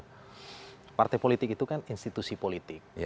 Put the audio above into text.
karena partai politik itu kan institusi politik